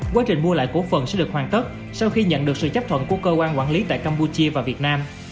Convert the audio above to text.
quá trình mua lại cổ phần sẽ được hoàn tất sau khi nhận được sự chấp thuận của cơ quan quản lý tại campuchia và việt nam